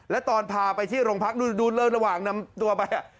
แล้วตอนพาไปที่โรงพักดูเริ่มระหว่างนำตัวไป